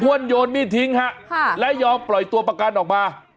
โยนมีดทิ้งฮะและยอมปล่อยตัวประกันออกมา